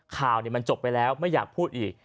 ข่าวมันจบไปแล้วไม่อยากพูดอีก